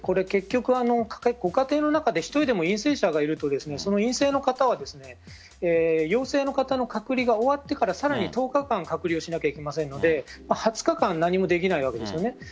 結局、ご家庭の中で１人でも陽性者がいると陰性の方は陽性の方の隔離が終わってからさらに１０日間隔離をしなければいけませんので２０日間、何もできないわけです。